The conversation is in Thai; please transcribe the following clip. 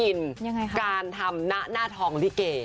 ยังไงคะการทำหน้าทองลิเก